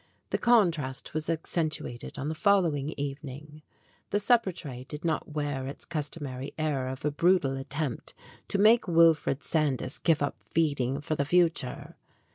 The contrast was accentuated on the follow ing evening. The supper tray did not wear its cus tomary air of a brutal attempt to make Wilfred San dys give up feeding for the future.